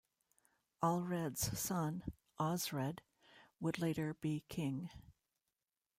Alhred's son Osred would later be king.